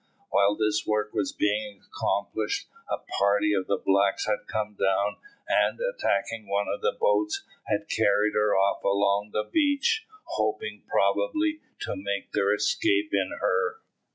While this work was being accomplished, a party of the blacks had come down and, attacking one of the boats, had carried her off along the beach, hoping probably to make their escape in her.